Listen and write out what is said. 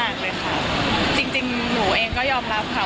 จริงจริงหนูเองก็ยอมรับค่ะ